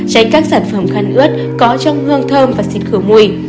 tránh các sản phẩm khăn ướt có trong hương thơm và xịt khử mùi